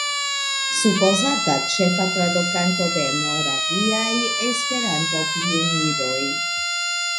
Supozata ĉefa tradukanto de Moraviaj Esperanto-Pioniroj.